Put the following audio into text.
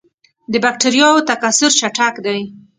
د بکټریاوو تکثر چټک دی.